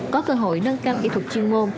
có cơ hội nâng cao kỹ thuật chuyên môn